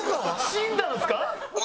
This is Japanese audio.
死んだんですか？